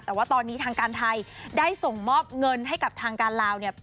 แต่ว่าตอนนี้ทางการไทยได้ส่งมอบเงินให้กับทางการลาวเนี่ย